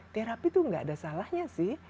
terapi itu nggak ada salahnya sih